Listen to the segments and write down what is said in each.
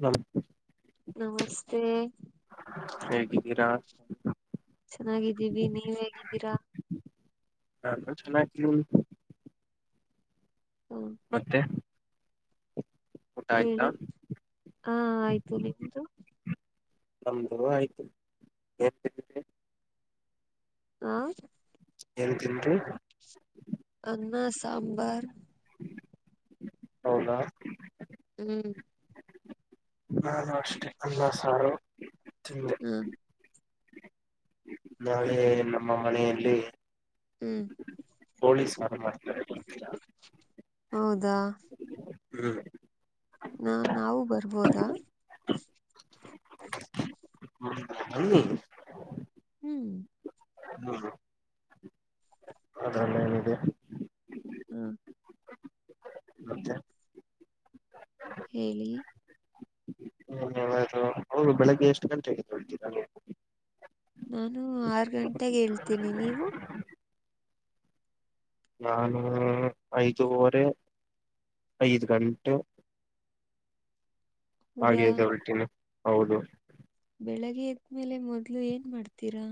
ಹ ನಮಸ್ತೆ ಹೇಗೆ ಚೆನ್ನಾಗಿದ್ದೀವಿ ನೀವ್ ಹೇಗಿದ್ದೀರಾ ಹ ಚನ್ನ ಹ ಮತ್ತೆ ಊಟ ಆಯ್ತಾ ಹೇಳಿ ಹ ಆಯ್ತು ನಿಮ್ದು ನಮ್ದು ಆಯ್ತು ಹಾ ಏನ್ ತಿಂಡಿ ಸಾಂಬರ್ ಹೌದಾ ಹ್ಮ್ ನಾನು ಅಷ್ಟೆ ಅನ್ನ ಸಾರು ತಿಂದೆ ಹ ನಾಳೆ ನಮ್ಮ ಮನೆಯಲ್ಲಿ ಹ್ಮ್ ಪೊಲೀಸ್ಾರ ಮಾಡ್ತಾರೆ ಬರ್ತೀರಾ ಹೌದಾ ಹ್ಮ್ ನಾವು ಬರ್ಬೋದಾ ಹ್ಮ ಬನ್ನಿ ಹ್ಮ್ ಹ್ಮ್ ಅದ್ರಲ್ಲಿ ಏನಿದೆ ಹ್ಮ ಮತ್ತೆ ಹೇಳಿ ಏನಾದ್ರು ಹೌದು ಬೆಳಗ್ಗೆ ಎಷ್ಟು ಗಂಟೆ ಎದ್ದೇಳ್ತಿರಾ ನಾನು ಆರ್ ಗಂಟೆಗೆ ಹೇಳ್ತೀನಿ ನೀವು ನಾನು ಐದುವರೆ ಐದು ಗಂಟೆ ಹೌದಾ ಹಾಗೇದು ಹೊಲ್ಟಿನ ಹೌದು ಬೆಳಗ್ಗೆ ಎದ್ಮೇಲೆ ಮೊದ್ಲು ಏನ್ ಮಾಡ್ತೀರಾ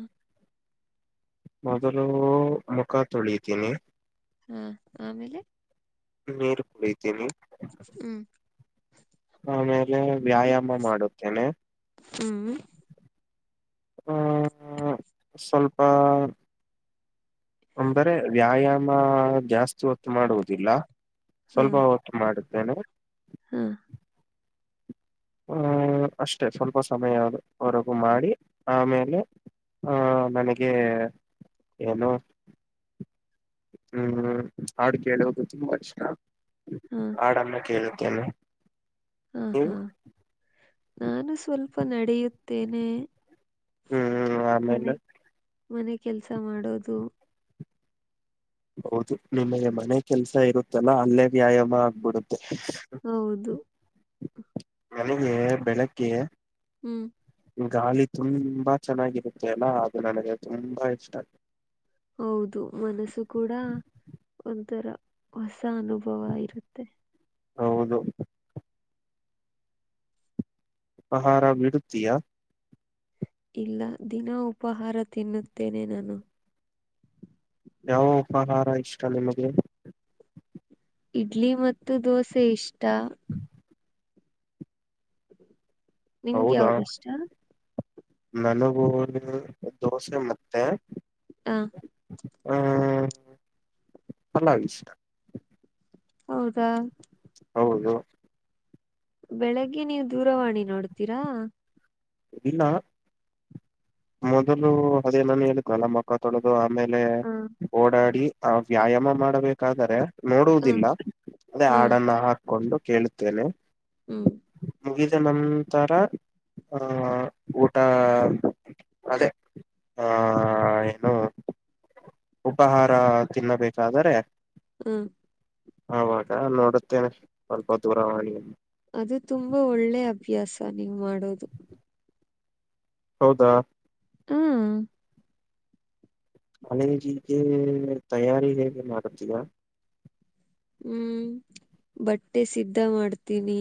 ಮೊದಲು ಮುಖ ತೊಳಿತೀನಿ ಹಾ ಆಮೇಲೆ ನೀರ್ ಕುಡಿತೀನಿ ಹ್ಮ್ ಆಮೇಲೆ ವ್ಯಾಯಾಮ ಮಾಡುತ್ತೇನೆ ಹ್ಮ್ ಹ್ಮ ಸ್ವಲ್ಪ ಅಂದರೆ ವ್ಯಾಯಾಮ ಜಾಸ್ತಿ ಹೊತ್ತು ಮಾಡುವುದಿಲ್ಲ ಹಾ ಸ್ವಲ್ಪ ಹೊತ್ತು ಮಾಡುತ್ತೇನೆ ಹಾ ಹ್ಮ್ ಅಷ್ಟೆ ಸ್ವಲ್ಪ ಸಮಯವರೆಗೂ ಮಾಡಿ ಆಮೇಲೆ ಹ ನನಗೆ ಏನು ಹ್ಮ್ ಹಾಡು ಕೇಳುವುದು ತುಂಬಾ ಇಷ್ಟ ಹಾ ಹಾಡನ್ನು ಕೇಳುತ್ತೇನೆ ಹ ನೀವು ಹಾ ನಾನು ಸ್ವಲ್ಪ ನಡೆಯುತ್ತೇನೆ ಹ್ಮ್ ಮನೆ ಆಮೇಲೆ ಮನೆ ಕೆಲ್ಸ ಮಾಡೋದು ಹೌದು ನಿಮಗೆ ಮನೆ ಕೆಲ್ಸ ಇರುತ್ತಲ್ಲಾ ಅಲ್ಲೇ ವ್ಯಾಯಾಮ ಆಗ್ಬಿಡುತ್ತೆ ಹೌದು ಬೆಳಗ್ಗೆ ಬೆಳಗ್ಗೆ ಹ್ಮ್ ಗಾಳಿ ತುಂಬಾ ಚೆನ್ನಾಗಿರುತ್ತೆ ಅಲ್ಲಾ ಅದು ನನಗೆ ತುಂಬಾ ಇಷ್ಟ ಹೌದು ಮನಸ್ಸು ಕೂಡ ಒಂಥರ ಹೊಸ ಅನುಭವ ಇರುತ್ತೆ ಹೌದು ಆಪಹಾರ ಬಿಡುತ್ತೀಯಾ ಇಲ್ಲ ದಿನ ಉಪಾಹಾರ ತಿನ್ನುತ್ತೇನೆ ನಾನು ಯಾವ ಉಪಾಹಾರ ಇಷ್ಟ ನಿಮಗ್ಗೆ ಇಡ್ಲಿ ಮತ್ತು ದೋಸೆ ಇಷ್ಟ ನಿಮ್ಗೆ ಹೌದಾ ಯಾವ್ದಿಷ್ಟ ನನಗೂ ದೋಸೆ ಮತ್ತೆ ಹ ಹ ಅಲ್ಲಷ್ಟ ಹೌದಾ ಹೌದು ಬೆಳಗ್ಗೆ ನೀವು ದೂರವಾಣಿ ನೋಡ್ತೀರಾ ಇಲ್ಲ ಮೊದಲು ಅದೇನಾನ ಹೇಳ ಗಲಮಖ ತೊಳೋದು ಆಮೇಲೆ ಹ ಓಡಾಡಿ ಆ ವ್ಯಾಯಾಮ ಮಾಡಬೇಕಾದ್ರೆ ಹ ನೋಡುವುದಿಲ್ಲ ಅದೇ ಹ ಹಾಡನ್ನ ಹಾಕೊಂಡು ಕೇಳುತ್ತೇನೆ ಹ್ಮ್ ಮುಗಿದ ನಂತರ ಹ ಊಟ ಅದೇ ಹ ಆ ಏನು ಉಪಹಾರ ತಿನ್ನಬೇಕಾದರೆ ಹ್ಮ ಅವವಾಗ ನೋಡುತ್ತೇನೆ ಸ್ವಲ್ಪ ದೂರವಾಣಿಯ ಹಭ್ಯಾಸ ನೀವು ಮಾಡೋದು ಹೌದಾ ಹಾ ಕಳಿಜಿಗೆ ತಯಾರಿ ಹೇಗೆ ಮಾಡತೀರಾ ಹ್ಮ್ ಬಟ್ಟೆ ಸಿದ್ಧ ಮಾಡ್ತೀನಿ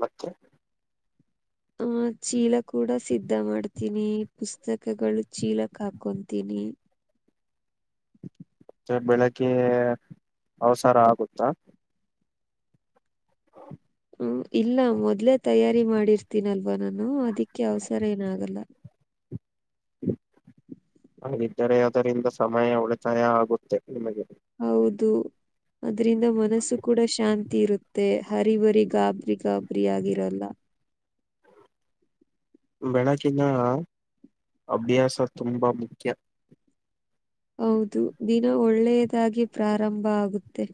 ಮತ್ತೆ ಆಹ ಚೀಲ ಕೂಡ ಸಿದ್ಧ ಮಾಡ್ತೀನಿ ಪುಸ್ತಕಗಳು ಚೀಲಕ್ ಹಾಕೊತೀನಿ [inaudible] ಮ ಬೆಳಿಗ್ಗೆ ಅವಸರ ಆಗುತ್ತಾ ಹ್ಮ್ ಒಬ ನಾನು ಅದಿಕ್ಕೆ ಅವಸರ ಏನ ಆಗಲ್ಲ ಹಾಗಿದ್ದರೆ ಅದರಿಂದ ಸಮಯ ಉಳಿತಾಯ ಆಗುತ್ತೆ ನಿಮಗೆ ಹೌದು ಅದ್ರಿಂದ ಮನಸ್ಸು ಕೂಡ ಶಾಂತಿ ಇರುತ್ತೆ ಹರಿಬರಿ ಗಾಬ್ ರಿಗಾಬರಿ ಆಗಿರಲ್ಲ ಬೆಳಕಿನ ಅಭ್ಯಾಸ ತುಂಬಾ ಮುಖ್ಯ ಹೌದು ದಿನ ಒಳ್ಳೆಯದಾಗಿ ಪ್ರಾರಂಭ ಆಗುತ್ತೆ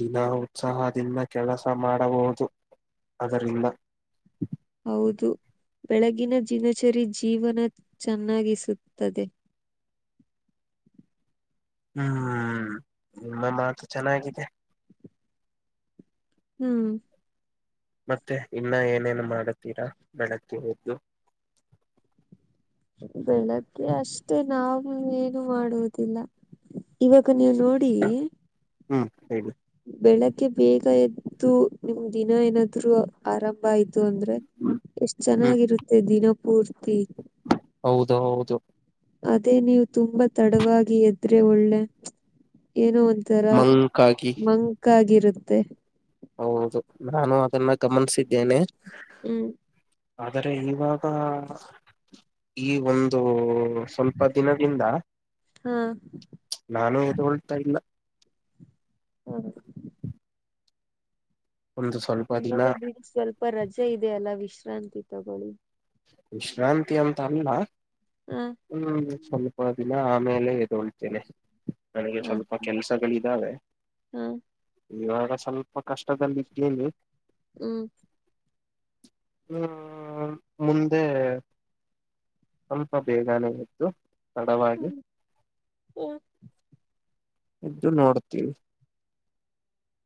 ದಿನ ಉತ್ಸಾಹದಿಂದ ಕೆಲಸ ಮಾಡಬಹುದು ಅದರಿಲ್ಲ ಹೌದು ಬೆಳಗಿನ ದಿನಚರಿ ಜೀವನ ಚೆನ್ನಾಗಿಸುತ್ತದೆ [inaudible] ಹ್ಮ್ ನಿಮ್ಮ ಮಾತು ಚೆನ್ನಾಗಿದೆ ಹ್ಮ್ ಮತ್ತೆ ಇನ್ನ ಏನೇನು ಮಾಡತೀರಾ ಬೆಳಗ್ಕ ಎದ್ದು ಬೆಳಗ್ಗೆ ಅಷ್ಟೇ ನಾವು ಏನು ಮಾಡುವುದಿಲ್ಲ ಇವ ಅ ನೀವು ನೋಡಿ ಹ್ಮ್ ಹೇಳಿ ಬೆಳಗ್ಗೆ ಬೇಗ ಎದ್ದು ನಿಮ್ ದಿನ ಏನಾದ್ರು ಆರಂಭ ಆಯ್ತು ಅಂದ್ರೆ ಹ್ಮ್ ಎಷ್ಟ್ ಚೆನ್ನಾಗಿರುತ್ತೆ ದಿನಪೂರ್ತಿ ಹೌದು ಹೌದು ಅದೇ ನೀವು ತುಂಬಾ ತಡವಾಗಿ ಎದ್ರೆ ಒಳ್ಳೆ ಏನೋ ಒಂಥರ ಮಂಕಾಗಿ ಮಂಕ ಆಗಿರುತ್ತೆ ಹೌದು ನಾನು ಅದನ್ನ ಗಮನಿಸಿದ್ದೇನೆ ಹ್ಮ್ ಆದರೆ ಇವಾಗ ಈ ಒಂದು ಸ್ವಲ್ಪ ದಿನದಿಂದ ಹಾ ನಾನು ಇದುಗೊಳ್ತಾ ಇಲ್ಲ ಹ್ಮ ಒಂದು ಸ್ವಲ್ಪ ದಿನ ಇವಾಗ ಬಿ ಸ್ವಲ್ಪ ರಜೆ ಇದೆ ಅಲ್ಲಾ ವಿಶ್ರಾಂತಿ ತಗೊಳ್ಳಿ ವಿಶ್ರಾಂತಿ ಅಂತ ಅಲ್ಲ ಹ ಹ್ಮ್ಲ್ಕಡದ ಆಮೇಲೆ ಇದುೊಳ್ತೇನೆ ಬೆಳಗೆ ಹ ಸ್ವಲ್ಪ ಕೆಲಸಗಳಿದ್ದಾವೆ ಹ ಹ್ಮ್ ಇವಾಗ ಸ್ವಲ್ಪ ಕಷ್ಟದದಲ್ಲಿ ಇದಿದ್ದೇನೆ ಹ್ಮ್ ಹ್ಮ ಮುಂದೆ ಸ್ವಲ್ಪ ಬೇಗನೆೇ ಇತ್ತು ತಡವಾಗಿ ಹ್ಮ್ ಹ್ಮ್ ಇ್ದು ನೋಡ್ತೀವಿ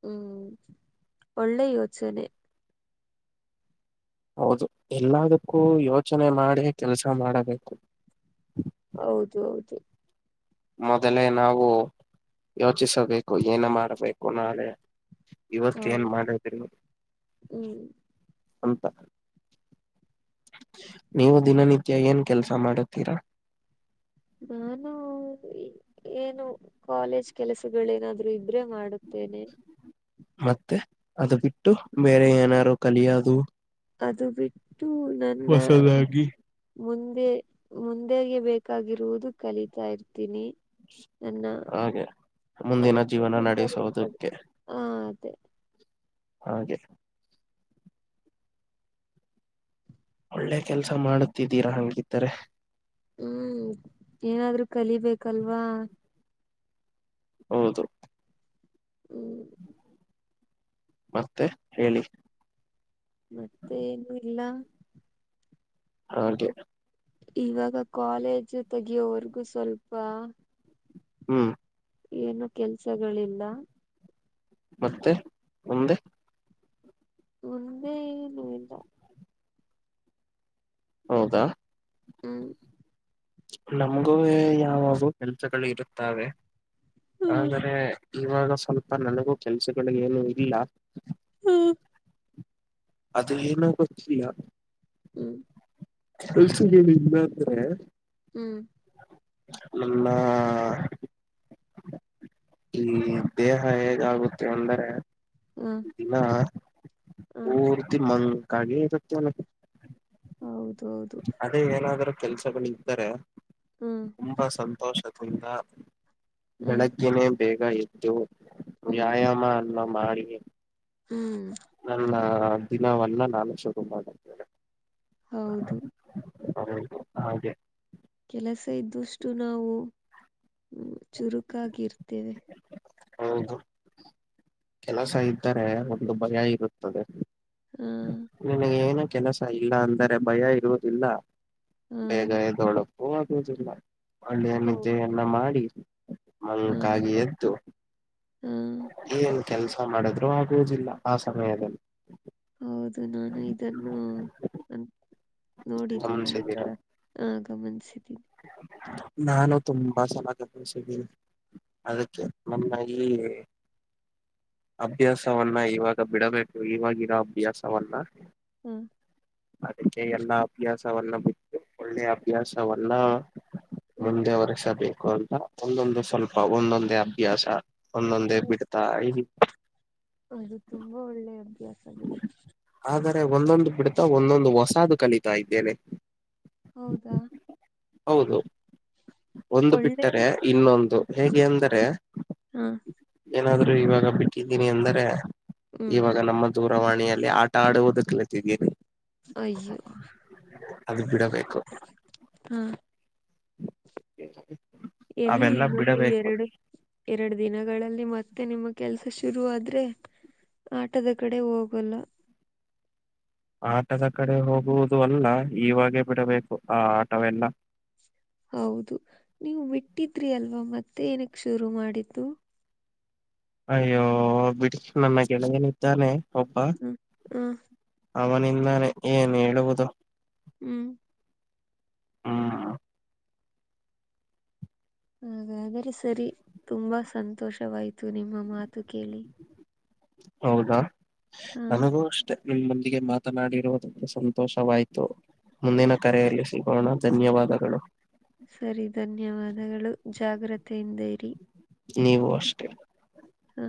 ಹ್ಮ್ ಒಳ್ಳೆ ಯೋಚನೆ ಹೌದು ಎಲ್ಲದಕ್ಕೂ ಯೋಚನೆ ಮಾಡಿ ಕೆಲ್ಸ ಮಾಡಬೇಕು ಹೌದು ಹೌದು ಮೊದಲೇ ನಾವು ಯೋಚಿಸಬೇಕು ಏನ ಮಾಡ್ಬೇಕು ನಾಳೆ ಇವತ್ತು ಏನ್ ಹೌದು ಮಾಡಿದ್ರು ಹ್ಮ್ ಅಂತ ನೀವು ದಿನನಿತ್ಯ ಏನ್ ಕೆಲಸ ಮಾಡುತ್ತೀರಾ ನಾನು ಏನು ಕಾಲೇಜ್ ಕೆಲಸಗಳೇನಾದ್ರು ಇದ್ರೆ ಮಾಡುತ್ತೆ ಸನೆಿ ಮತ್ತೆ ಅದು ಬಿಟ್ಟು ಬೇರೆ ಏನಾರು ಕಲಿಯೋದು ಅದು ಬಿಟ್ಟು ನನ್ನ ಹೊಸದಾಗಿ ಮುಂದೆ ಮುಂದೆಗೆ ಬೇಕಾಗಿರುವುದು ಕಲಿತಾ ಇರ್ತೀನಿ ಎನ್ನ ಹಾಗೆ ಮುಂದಿನ ಜೀವನ ಅದಕ್ಕೆಂತರಿ ಅಂತ ನಡೆಸುವುದಕ್ಕೆ ಹಾ ಅದೇ ಹಾಗದೆ ಒಳ್ಳೆ ಕೆಲ್ಸ ಮಾಡುತ್ತಿದ್ದೀರಾ ಹಾಗಂಗಿದ್ದಿದ್ದಾರೆ ಹ್ಮ್ ಏನಾದ್ರು ಕಲಿಬೇಕಲ್ವಾ ಹೌದು ಹ್ಮ್ [unintelligible] ಮತ್ತೆ ಹೇಳಿ ಮತ್ತೆ ಏನು ಇಲ್ಲ ಹಾದೆ ಇವಾಗ ಕಾಲೇಜು ತೆಗಿಯೋವರ್ಗು ಸ್ವಲ್ಪ ಹ್ಮ್ ಏನು ಕೆಲ್ಸಗಳಿಲ್ಲ ಮತ್ತೆ ಮುಮ್ದೆ ಒಂದಂದೇ ಏನು ಇಲ್ಲ ಹೌದಾ ಹ್ಮ್ ನಮಗೂ ಯಾವಾಗೂ ಕೆಲ್ಸಗಳು ಇರುತ್ತವೆೆ ಹ್ಮ್ ಆದ್ರೆ ಇವಾಗ ಸ್ವಲ್ಪ ನನಗೂ ಕೆಲ್ಸಗಳಗ ಏನು ಇಲ್ಲ ಹ್ಮ್ ಅದನ್ನ ಏನೋ ಗೊತ್ತಯ ಹೂ ಕಲ್ಸಿಗೆ ಇಲ್ಲೆ ಹೂ ಎಲ್ಲಾ ಈ ದೇಹ ಹೇಗ ಆಾಗುತ್ತೆ ಅಂದರೆ ಇ ಹ್ಮ್ ದಿನ ಹ ಹ ಪೂರ್ತಿ ಮಂಗ ಅದಕಾಗಿ ಹೌದೌದು ಇರುತ್ತದೆ ಏನಾದರೂ ಕೆಲ್ಸಗಳ್ದರೆ ಹ್ಮ್ ತುಂಬಾ ಸಂತೋಷದಿಂದ ಹ ಬೆಳಗ್ಗೆನೇ ಬೇಗ ಎದು ಹ್ಮ್ ವ್ಯಾಯಾಮ ಎಲ್ಲ ಮಾಡಿ ಹ್ಮ್ ನನ್ನ ಆ ದಿನವಲ್ಲ ನಾನು ಶುರು ಮಾಡುತೇನೆ ಹೌದು ಹೌದು ಹಾಗೆ ಕೆಲಸ ಇದ್ದಷ್ಟು ನಾವು ಹ ಚುರುಕಾಗಿರ್ತೇವೆ ಹೌದು ಕೆಲಸ ಇದ್ದರೆ ಒಂದು ಭಯ ಇರುತ್ತದೆ ಹೂ ನಿನಗೆ ಏನು ಕೆಲಸ ಇಲ್ಲ ಅಂದರೆ ಭಯ ಇರುವುದಿಲ್ಲ ಹಾ ಬೇಗ ಎದ್ದೊಳು ಓಡುವುದಿಲ್ಲ ಒಳ್ಳೆಯ ಓ ನಿದ್ದೆಯನ್ನ ಮಾಡಿ ಹಾ ಮಂಕಾಗಿ ಎದ್ದು ಹಾ ಏನ್ ಕೆಲ್ಸ ಮಾಡಿದ್ರು ಆಗುದಿಲ್ಲ ಆ ಸಮಯದಲ್ಲಿ ಹೌದು ನಾನು ಇದನ್ನು ಅನ್ ನೋಡಿದ್ದೀನಿ ಈ ಗಮನಿಸಿದ್ದೀರ ತರ ಆ ಗಮನ್ಸಿದ್ದೀನಿ ನಾನು ತುಂಬಾ ಗಮನಿಸಿದಿನಿ ಅದಕ್ಕೆ ನಮ್ಮಾಗಿ ಅಭ್ಯಾಸವನ್ನ ಇವಾಗ ಬಿಡಬೇಕು ಇವಾಗಿರೋ ಅಭ್ಯಾಸವನ್ನ ಹೂ ಅದಕ್ಕೆ ಎಲ್ಲಾ ಅಭ್ಯಾಸವನ್ನ ಬಿಟ್ಟು ಒಳ್ಳೆ ಅಭ್ಯಾಸವನ್ನು ಹ್ಮ್ ಒಂದೇ ವರ್ಷ ಬೇಕು ಅಂತ ಒಂದೊಂದು ಸ್ವಲ್ಪ ಒಂದೊಂದೇ ಅಭ್ಯಾಸ ಒಂದೊಂದೇ ಬಿಡ್ತಾ ಕ್ಲಾಸ್ ಅಲ್ಲಿ ಇರಿ ೆ ಒಂದೊಂದು ಬಿಡ್ತಾ ಒಂದೊಂದು ಹೊಸದು ಕಲಿತಾ ಇದ್ದೇವೆ ಹೌದಾ ಹೌದು ಒಂದು ಒಳ್ಳೆ ಬಿಟ್ಟರೆ ಇನ್ನೊಂದು ಹೇಗೆ ಎಂದರೆ ಹಾ ಏನಾದ್ರು ಇವಾಗ ಬಿಟ್ಟಿದ್ದೀನಿ ಅಂದರೆ ಹ್ಮ್ ಇವಾಗ ನಮ್ಮ ದೂರವಾಣಿಯಲ್ಲಿ ಆಟ ಆಡುವುದಕ್ಕೆಲತಿದ್ದೀರಿ ಅಯ್ಯೋ ಅದು ಬಿಡ ಹೂ ಏನ್ ಹೇಳಿ ಎಲ್ಲಿ ಇನ್ನೊಂದು ಎರಡು ಎರಡು ದಿನಗಳಲ್ಲಿ ಮತ್ತೆ ನಿಮ್ಮ ಕೆಲ್ಸ ಶುರು ಆದ್ರೆ ಆಟದ ಕಡೆ ಹೋಗಲ್ಲ ಆಟದ ಕಡೆ ಹೋಗುವುದು ಅಲ್ಲ ಇವಾಗೆ ಬಿಡಬೇಕು ಆ ಆಟವೆಲ್ಲ ಹೌದು ನೀವು ಬಿಟ್ಟಿದ್ರಿ ಅಲ್ವಾ ಮತ್ತೆ ಏನಕ್ ಶುರು ಮಾಡಿದ್ದು ಅಯ್ಯೋ ಬಿಡಿ ನನ್ನ ಗೆಳೆಯೇನಿದ್ದಾನೆ ಹೂ ಹೂ ಅವನಿಂದಾನೇ ಏನ್ ಹೇಳುವುದು ಹೂ ಹೂ ಹಾಗಾದರೆ ಸರಿ ತುಂಬಾ ಸಂತೋಷವಾಯ್ತು ನಿಮ್ಮ ಮಾತು ಕೇಳಿ ಹೌದಾ ಹಾ ನನಗೂ ಅಷ್ಟೆ ನಮ್ಮೊಂದಿಗೆ ಮಾತನಾಡಿರುವುದಕ್ಕೆ ಸಂತೋಷವಾಯ್ತು ಮುಂದಿನ ಕರೆಯಲ್ಲಿ ಸಿಗೋಣ ಧನ್ಯವಾದಗಳು ಸರಿ ಧನ್ಯವಾದಗಳು ಜಾಗ್ರತೆ ಇಂದ ಇರಿ ನೀವು ಅಷ್ಟೆ ಹಾ